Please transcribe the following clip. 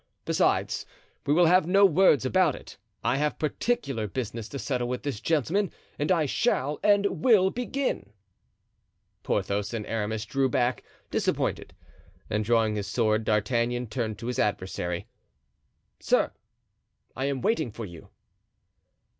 Besides, we will have no words about it. I have particular business to settle with this gentleman and I shall and will begin." Porthos and Aramis drew back, disappointed, and drawing his sword D'Artagnan turned to his adversary: "Sir, I am waiting for you."